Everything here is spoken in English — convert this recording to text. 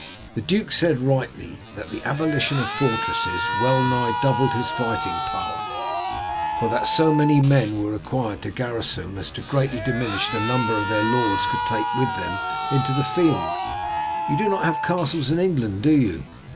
The duke said rightly that the abolition of fortresses well nigh doubled his fighting power, for that so many men were required to garrison them as to greatly diminish the number their lords could take with them into the field. You do not have castles in England, do you?"